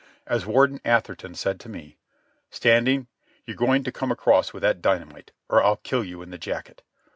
As Warden Atherton said to me: "Standing, you're going to come across with that dynamite, or I'll kill you in the jacket.